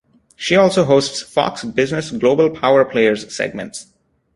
She also hosts Fox Business Global Power Players segments.